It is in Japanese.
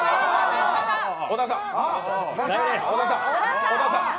小田さん。